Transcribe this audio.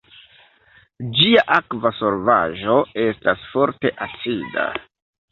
Ĝia akva solvaĵo estas forte acida.